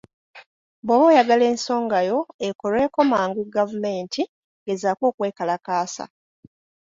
Bw'oba oyagala ensongayo ekolweko mangu gavumenti, gezaako okwekalakaasa.